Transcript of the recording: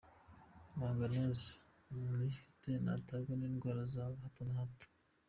Manganese: umuntu uyifite ntafatwa n’indwara za hato na hato.